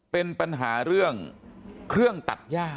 เป็นปัญหาเรื่องเครื่องตัดย่า